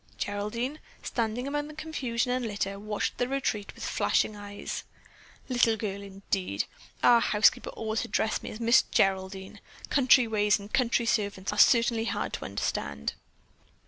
Geraldine, standing among the confusion and litter, watched the retreat with flashing eyes. "Little girl, indeed! Our housekeeper always addressed me as Miss Geraldine. Country ways and country servants are certainly hard to understand."